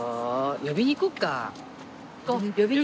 呼びに行こうか。